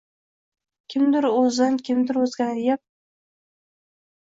Kimdir o’zin, kim o’zgani yeb